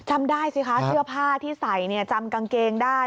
จำได้สิคะเสื้อผ้าที่ใส่จำกางเกงได้